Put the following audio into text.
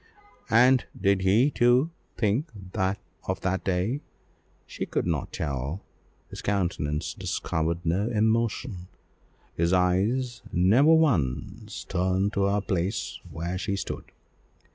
And did he, too, think of that day? She could not tell, his countenance discovered no emotion, his eyes never once turned to the place where she stood.